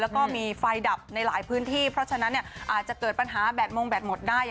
แล้วก็มีไฟดับในหลายพื้นที่เพราะฉะนั้นอาจจะเกิดปัญหาแดดมงแดดหมดได้